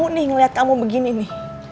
cucu tuh pengen ngeliat kamu begini nih